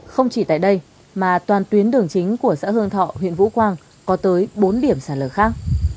không chỉ tại đây mà toàn tuyến đường chính của xã hương thọ huyện vũ quang có tới bốn điểm sạt lở khác